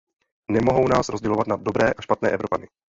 Nemohou nás rozdělovat na dobré a špatné Evropany.